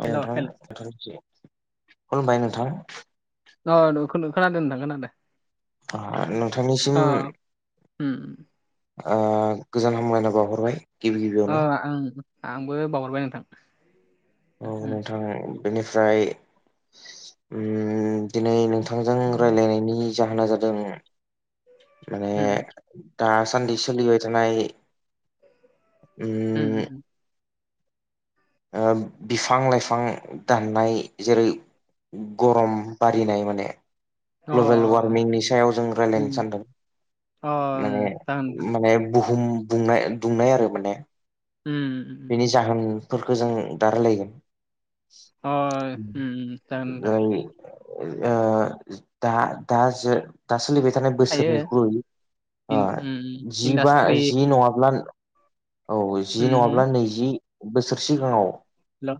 आ hello hello नोंथां खुलुमबाय नोंथां अ न खोनादों नोंथां खोनादों नोंथांनिसिम अ उम ओ गोजोन हामलायनाय बावहरबाय गिबि गिबियावनो ओं आंबो बावहरबाय नोंथां औ उम नोंथां बेनिफ्राय उम दिनै नोंथांजों उम रायलायनायनि जाहोना जादों माने उम दासान्दि सलिबाय थानाय उम ओ बिफां लाइफां दाननाय जेरै गरम बारिनाय माने ग्लबेल अ वार्मिंनि सायाव जों रायलायनो उम सानदों अ माने उम जागोन नोंथां। माने बुहुम दुंनाय दुंनाय आरो माने उम उम बिनि उम जाहोनफोरखौ जों दा रायलायगोन अ उम उम जागोन नोंथां जायनि ओ दा दा जो दा सोलिबाय थानाय थायो बोसोरनिख्रुइ ओ इन उम जिबा इन्डास्ट्रि जि नङाब्ला औ उम जि नङाब्ला नैजि बोसोर सिगाङाव हेल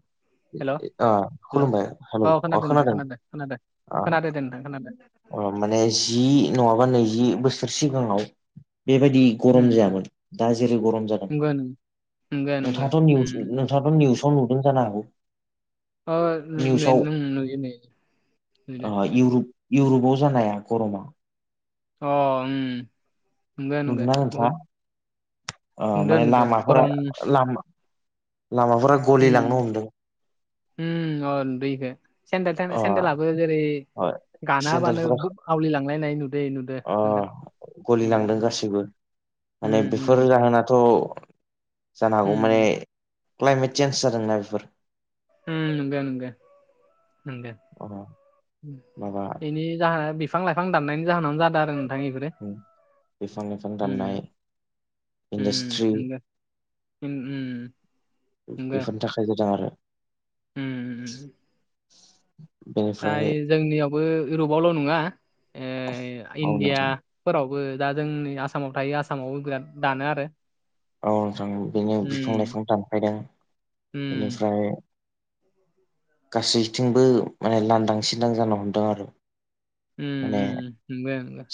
हेल' ओ हेल' खुलुमबाय हेलौ औ अ खोनादों नोंथां खोनादों खोनादों खोनादो दे नोंथां खोनादों माने जि नङाबा नैजि बोसोर सिगाङाव बेबायदि गरम उम उम जायामोन दा जेरै गरम जागोन नंगौ नंगौ नंगौ नंगौ नोंथाङाथ' उम निउस उम नोंथाङाथ' निउस खौ नुदों जानो हागौ अ नुयो निउसाव नुयो नुयो दे ओ इउर'प इउरपाव जानाया कर'ना अ उम नंगौ नंगौ नुदोना बहुद नोंथाङा अ नुदो माने नुदो लामाफोरा गरम लामा लामाफोरा गलिलांनो उम हमदों उम अ दैखौ सेन्देल थ अ सेन्देलाबो जेरै अ गानाहोबानो सेन्देलफोरा बुब आवलिलांलायनाय नुदो नुदो अ नोंथां गलिलांदों उम उम गासैबो माने बेफोर उम जाहोनाथ' जानो हागौ माने उम क्लाइमेट चेन्ज जादोंना बेफोर उम नंगौ नंगो नंगो अ माबा बेनि जाहोना बिफां लाइफां दाननायनि जाहोनावानो जादों आरो नोंथां बेफोरो बिफां लाइफां उम दाननाय उम इन्डास्ट्रि नंगौ उम नंगौ बेफोरनि थाखाय जादों आरो ओमम म [inaudible] बेनिफ्राय फाय जोंनियावबो इउरपआवल' नङा ओ औ इण्डिया नोंथां फोरावबो दा जोंनि आसामाव थायो आसामावबो बिराद दानो आरो औ नोंथां बेनो बिफां उम लाइफां दानफायदों उम बेनिफ्राय गासैथिंबो माने लांदां सिदां जानो हमदों आरो उम माने उम नंगौ नंगौ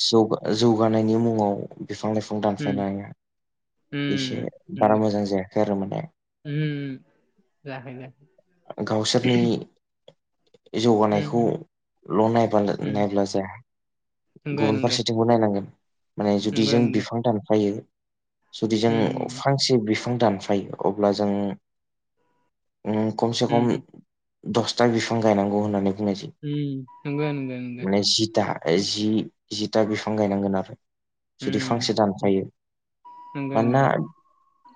जौगानायनि मुङाव बिफां लाइफां दानफायनाय उम नंगो जायाखै आरो माने उम उम जाहैनो जौगानायखौल' नाय उम नाय्ला जाया नंगौ गुबुन नंगौ फारसेथिं नायनांगोन माने जुदि नंगौ जों नंगौ बिफां दानफायो जुदि जों उम फांसे बिफां दानफायो अब्ला जों खमसे खम उम दसथा बिफां गायनांगौ होननानै बुंनाय जायो उम नंगौ नंगौ नंगौ माने जिथा जि जिथा बिफां गायनांगोन आरो जुदि उम फांसे दानफायो नंगौ मानोना नंगौ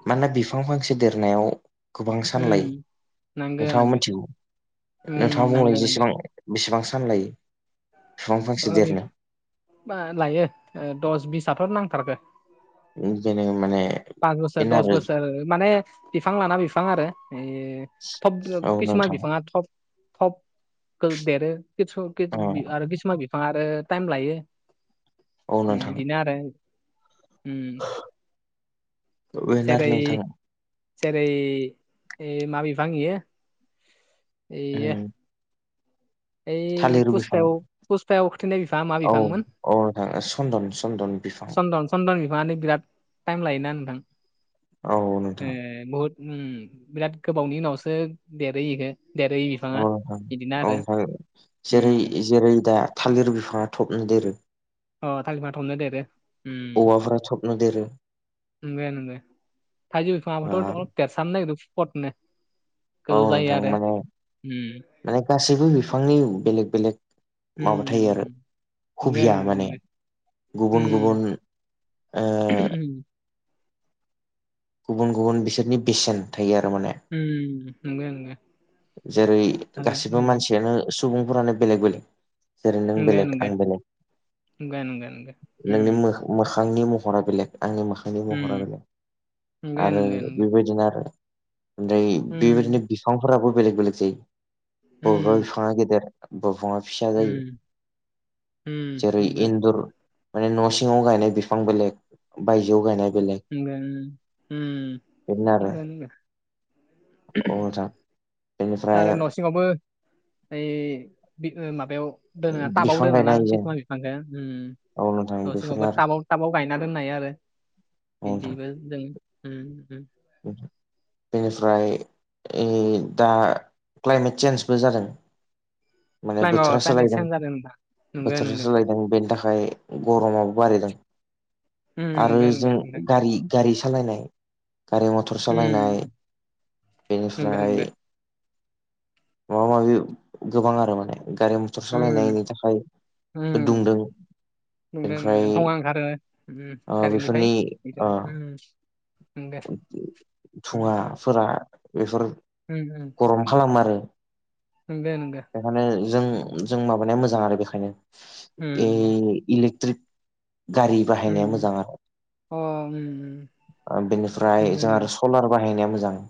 मानोना बिफां फांसे देरनायाव गोबां सान लायो उम नांगो नोंथाङा नांगो मिथिगौ नोंथाङा बुंनाय नांगो जेसेबां बेसेबां सानलायो बा लायो दस बिसाथ' नांथारगो बिनिखायनो माने पास बोसोर बेनार दस बोसोर माने बिफां लाना बिफां आरो ए थब देरो औ खिसुमान नोंथां बिफाङा थब थब देरो औ आरो खिसुमान बिफांङा बिफां आरो टाइम लायो औ नोंथां बिदिनो आरो जेर बेनार नोंथां जेरै मा बिफां इयो बेयो थालिरु बिफां पुसपायाव पुसपायाव खोथैनाय बिफाङा मा औ औ बिफांमोन औ नोंथां सन्दन चन्दन बिफां चन्दन चन्दन बिफाङानो बिराद टाइम लायोना नोंथां औ नोंथां बहुद बिराद गोबावनि उनावसो देरहोयो देरहोयो अ ओनथां उम जेरै जेरै दा थालिर बिफाङा थबनो देरो अ थालिर बिफांङा थब'नो देरो औवाफ्रा थबनो देरो थालिर ओ बिफांङाबोथ दं देरसाबनो नागिरदों फुपटनो औ गोजौ जायो नोंथां आरो माने माने गासैबो बिफांनि बेलेग बेलेग उम माबा थायो आरो उम नंगो हबिया नंगो माने नंगो गुबुन गुबुन उम ओ [unintelligible] गुबुन गुबुन बिसोरनि बेसेन थायो आरो माने ओ नंगौ नंगौ जेरै गासिबो मानसियानो सुबुंफोरानो बेलेग बेलेग जेरै नों बेलेग आं बेलेग नोंनि मोखां मोखांनि महरा बेलेग आंनि मो नि महरा बेले आरो बेबायदिनो आरो ओमफ्राय बेबायदिनो बिफांफोराबो बेलेग बेलेग जायो बबेबा बिफाङा गेदेर दरखंङा फिसा जायो जेरै इन्दुर माने न' सिङाव गायनाय बिफां बेलेग बायजोआव गायनाय बेलेग ओ बेनो नंगौ आरो नंगौ औ नोंथां दा बेनिफ्राय आरो न' सिङावबो ओइ माबायाव दोनो टाबाव बिफां गायनो दोनोना हायो जों किसुमान बिफांखौ औ नोंथां न' सिङावबो बेफोरनो आरो टाबाव थाबाव गायना दोननाय आरो औ नोंथां बिदिबो जों बेनिफ्राय दा क्लाइमेट चेन्जबो जादों माने क्लाइमा बोथोरा क्लाइमेक्स सोलायदों चेन्ज जादों नोंथां नोंगो बोथोरा नोंगो सोलायदों बेनि थाखाय गरमाबो बारायदों उम आरो नोंगो नोंगो जों नोंथां गारि गारि सालायनाय गारि मथर सालायनाय उम नोंगो बेनिफ्राय नोंगो माबा माबि गोबां आरो माने गारि क्टर उम सालायनायनि थाखायबो दुंदों नंगौ ओमफ्राय नंगौ थुवा ओंखारो ओ गारिनिफ्राय बेफोरनि ओ ओ दे उम उम थुङाफोरा बेफोर उम गरम खालामो आरो उम नंगो नंगो बेखौनो उम जों मा मोजां आरो बेनिखायनो उम इलेकट्रिक गारि उम बाहायनाया उम मोजां आरो अ ओम ओम बिनिफ्राय जों आरो सलार बाहायनाया मोजां औ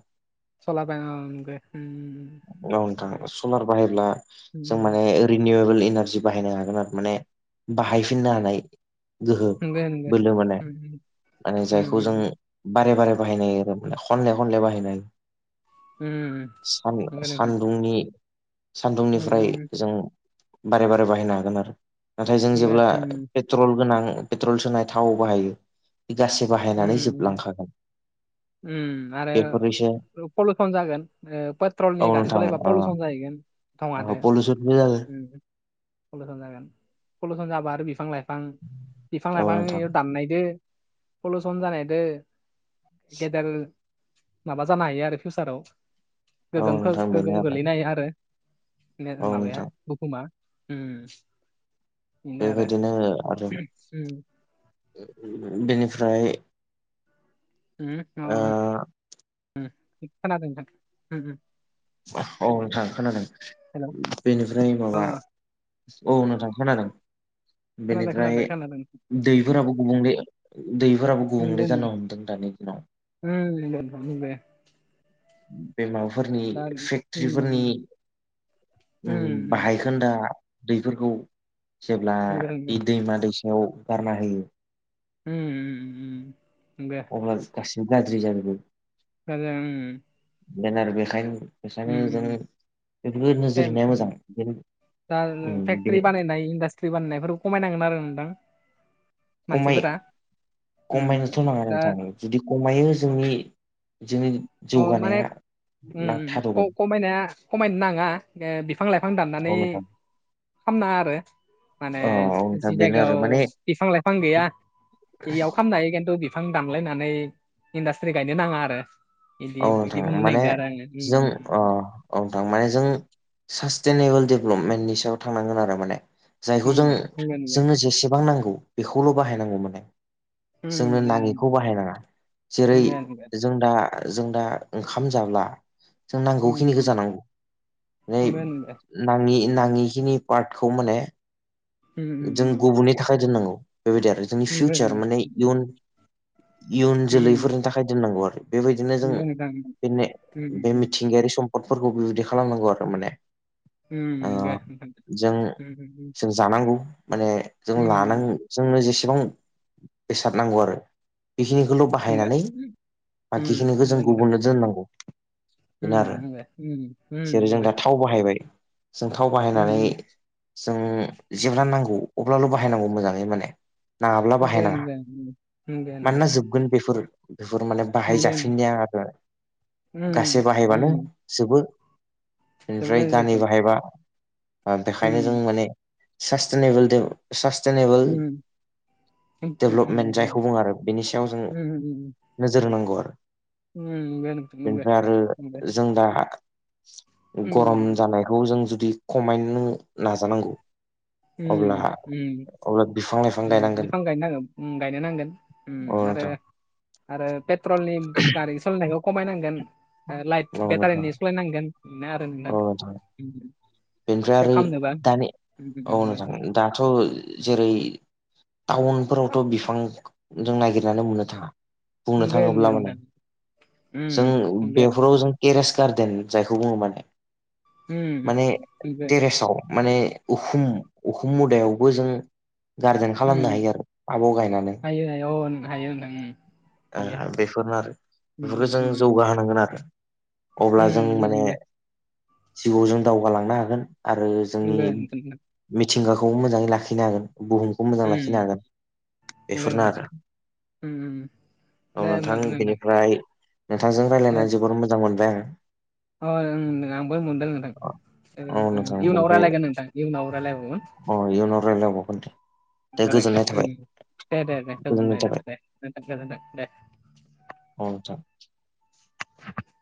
सलाबाय अ नंगो उम नोंथां उम सनार बाहायब्ला जों उम माने रिनिउवेबोल एनारजि बाहायनो हागोन आरो माने बाहायफिननो हानाय गोहो नंगो नंगो बोलो माने उम माने उम जाय बारे बारे बाहायनाय आरोनाखनले खनले बाहायनाय उम उम नंगो नोंथां सान्दुंनि उम सान्दुंनिफ्राय उम जों बारे बारे बाहायनो हागोन आरो नाथाय जों नंगो जेब्ला उम पेट्रल गोनां पेट्रल सोनाय थावाव बाहायो बे गासै बाहायनानै उम जोबलांखागोन उम आरो बेफोरनिसो पलिउसन जागोन पेट्रलनि गारि सालायबा पलिउसन जाहैगोनङ अ पलिउसनबो जाय उम पलिउसन जागोन पलिउसन जाबा आरो बिफां लाइफां बिफां औ नोंथां लाइफांयाव दाननायदो पलिउसन जानायदो गेदेर माबा जानो हायो आरो फिउसाराव औ गोगोम नोंथां बेनो गोगोम आरो गोलैनो हायो आरो औ माबाया नोंथां बुहुमा बिनो आरो बेबायदिनो आरो ओ बेनिफ्राय ओ अ खोनादों नोंथां औ नोंथां खोनादों हेल' बेनिफ्राय माबा औ नोंथां खानादों खोनादों खोनादों खोनादों दैफोराबो गुबुंले दैफोराबो उम दे गुबुंले जानो हमदों दानि दिनाव उम बे बेमाबाफोरनि दा उम फेक्टरफोरनि उम बाहाय गोनदा दैफोरखौ जेब्ला उम दे बे दैमा दैसायाव गारना होयो उम उम दे अब्ला गासिबो गाज्रि जाजोबो गाज्रि जागोन जेन आरो बेखायनो बेखायनो जों उम बेफोरखौ नोजोर फेम होनाया मोजां ज बे सथ्रि बाननायफोरखौ खमायनांगोन आरो नोंथां खमाय मानसिफोरा उम खमायनोथ' नाङा दा नोंथां जुदि खमायो जोंनि जोंनि अ माने जौगानाया ना थाद'गोन खमायनाया खमायनो नाङा बिफां लाइफां औ दाननानै नोंथां खालामनााङा आरो माने औ औ नोंथां जि बेनो आरो जायगायाव माने बिफां लाइफां गैया बेयाव ख खालामनो हायो खिन्थु बिफां दानलायनानै इन्डास्ट्रि गायनो नाङा आरो बिदि औ बिदि नोंथां बुंनो माने नागिरदों आरो आङो उम जों उम औ थां माने जों सास्टेनेबोल डेभेलपमेन्टनि सायाव थांनांगोन आरो माने जायखौ जों उम बुंगोन दे। जोंनो जेसेबां नांगौ बेखौल' बाहायनांगौमोन आं जोंनो उम दे नाङिखौ बाहायनाङा जेरै बुंगोन दे। जों दा जों दा ओंखाम जाब्ला जों उम नांगौखिनिखौ उम जानांगौ नै बुंगोन दे। नाङि नाङिखिनि पार्टखौ माने उम उम जों उम गुबुननि थाखाय दोननांगौ बेबायदि आरो जोंनि बुंगोन फिउचार दे माने इयुन इयुन उम जोलैफोरनि थाखाय दोननांगौ आरो बेबायदिनो जों बुंगोन नोंथां बेनो उम बे मिथिंगायारि सम पदफोरखौ बिबायदि खालामनांगौ आरो माने उम उम दे नोंथां। जों उम जानांगौ माने जों उम लानां जोंनो जेसेबां बेसाद नांगौ आरो बेखिनि खौल बाहायनानै बाखिखिनिखौ जों गुबुननो दोननांगौ बेनो उम आरो उम दे उम जेरै उम जों दे दा थाव बाहायबाय जों थाव बाहायनानै जों जोबना नांगौ औ अब्लानो बाहायनांगौ मोजाङै माने नाङाब्ला नोंगो बाहायनाङा नोंगो नोंगो नोंगो मानोना जोबगोन बेफोर बेफोर माने नोंगो बाहायजाफिननाया आरो गासै बाहायबानो जोबो बेनिफ्राय जोबगोन गानै जोबगोन बाहायबा उ बेखायनो जों माने सास्टेनेबोल दे सासटेनेबोल डेभेलपमेन्ट जायखौ बुङो आरो बेनि सायाव जों नोजोर होनांगौ आरो बेनिफ्राय आरो जों दा गरम जानायखौ जों जुदि खमायनो नाजानांगौ ओम अब्ला ओम अब्ला बिफां ला बिफां गायनांगोन गायनो नांगोन औ आरो नोंथां आरो पेट्रलनि गारि सालायनायखौ खमायनांगोन लाइक औ नोंथां बेटारिनि सालायनांगोन इनो आरो नोंथां बेनिफ्राय सेभ आरो दानि औ खालामनोबा नोंथां दाथ जेरै टाउनफोरावथ बिफां जों नागिरनानै मोननो थाङा बुंनो नंगो थाङोब्ला नंगो माने नोंथां जों उम दे बे फोराव जों टेरेस गार्देन जायखौ बुङो माने उम माने नंगो टेरेसाव माने उखुम उखुम मुदायावबो जों गारदेन उम खालामनो हायो आरो थाबाव गायनानै हायो हायो अ हायो नोंथां उम हायो बेफोरनो आरो उम बेफोरखौ उम जों उम जौगाहोनांगोन आरो उम अब्ला जों माने नंगो जिउआव जों दावगालांनो हागोन आरो जोंनि नंगो नोंथां मिथिंगाखौ मोजाङै लाखिनो हागोन बुहुमखौ मोजां लाखिनो उम हागोन नंगो बेफोरनो नोंथां आरो उम उम औ दे होमबा नोंथां बेनिफ्राय नोंथांजों दे रायज्लायनानै जोबोद मोजां मोनबाय आं अ ओं होनदों आंबो मोनदों औ नोंथां नोंथां इयुनाव ओमफ्राय रायलायगोन नोंथां इयुनाव रायलायबावगोन अ इयुनाव रायलायबावगोन दे दे गोजोननाय रायज्लायगोन थाबाय दे दे दे दे गोजोननाय थाबाय दे गोजोनथों दे औ नोंथां